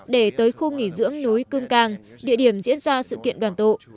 để tới khu nghỉ dưỡng núi cương cang địa điểm diễn ra sự kiện đoàn tụ